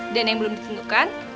dan yang belum ditentukan